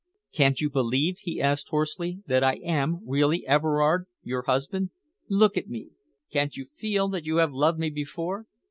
"Can't you believe," he asked hoarsely, "that I am really Everard your husband? Look at me. Can't you feel that you have loved me before?"